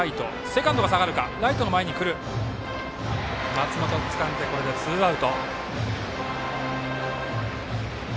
松本つかんでツーアウト。